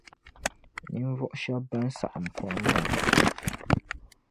Ninvuɣu shɛba ban saɣim kom maa.